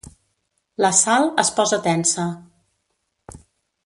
La Sal es posa tensa.